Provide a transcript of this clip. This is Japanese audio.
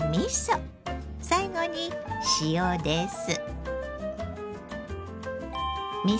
最後に塩です。